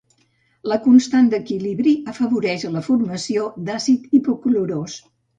La constant d'equilibri afavoreix la formació d'àcid hipoclorós.